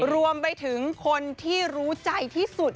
รวมไปถึงคนที่รู้ใจที่สุด